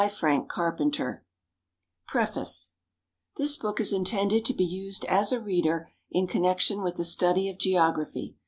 ••••,» V P '53 PREFACE This book is intended to be used as a reader in con nection with the study of geography.